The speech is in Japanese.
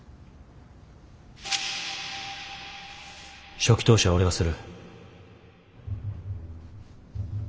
初期投資は俺がする。